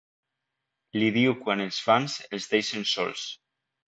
Li diu quan els fans els deixen sols.